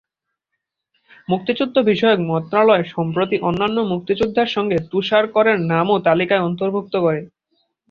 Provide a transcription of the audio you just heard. মুক্তিযুদ্ধবিষয়ক মন্ত্রণালয় সম্প্রতি অন্যান্য মুক্তিযোদ্ধার সঙ্গে তুষার করের নামও তালিকায় অন্তর্ভুক্ত করে।